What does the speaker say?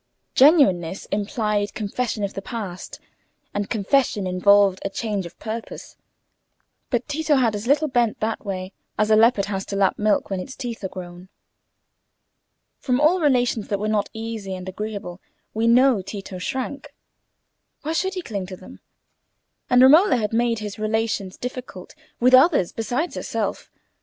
Genuineness implied confession of the past, and confession involved a change of purpose. But Tito had as little bent that way as a leopard has to lap milk when its teeth are grown. From all relations that were not easy and agreeable, we know that Tito shrank: why should he cling to them? And Romola had made his relations difficult with others besides herself.